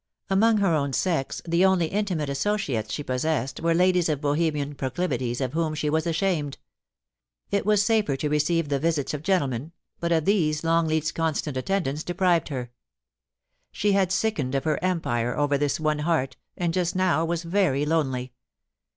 Among her own sex, the only intimate associates she possessed were ladies of Bohemian proclivities of whom she was ashamed ; it was safer to receive the visits of gentlemen, but of these Longleat^s constant attendance deprived her. She had sickened of her empire over this one heart, and just now was very lonely.